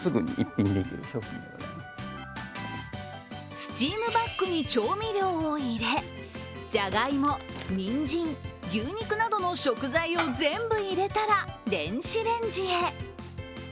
スチームバッグに調味料を入れじゃがいも、にんじん、牛肉などの食材を全部入れたら電子レンジへ。